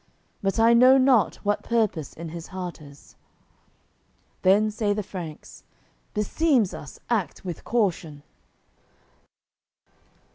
But I know not what purpose in his heart is." Then say the Franks: "Beseems us act with caution!"